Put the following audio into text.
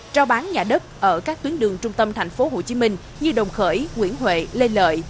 trao bán nhà đất ở các tuyến đường trung tâm thành phố hồ chí minh như đồng khởi nguyễn huệ lê lợi